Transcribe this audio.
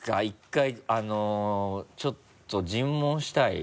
１回ちょっと尋問したい。